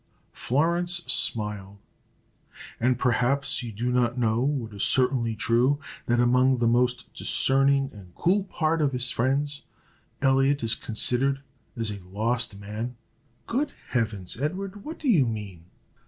Florence smiled. "And perhaps you do not know, what is certainly true, that, among the most discerning and cool part of his friends, Elliot is considered as a lost man." "Good Heavens! Edward, what do you mean?"